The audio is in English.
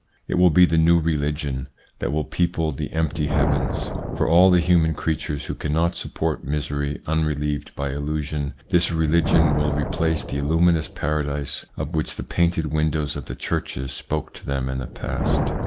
It will be the new religion that will people the empty heavens. For all the human creatures who cannot support misery un relieved by illusion this religion will replace the luminous paradise of which the painted windows of the churches spoke to them in the past.